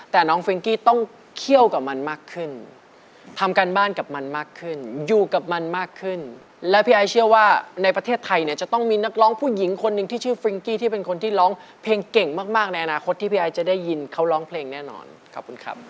แต่น้องฟิงกี้ต้องเคี่ยวกับมันมากขึ้นทำการบ้านกับมันมากขึ้นอยู่กับมันมากขึ้นและพี่ไอ้เชื่อว่าในประเทศไทยเนี่ยจะต้องมีนักร้องผู้หญิงคนหนึ่งที่ชื่อฟริ้งกี้ที่เป็นคนที่ร้องเพลงเก่งมากในอนาคตที่พี่ไอจะได้ยินเขาร้องเพลงแน่นอนขอบคุณครับ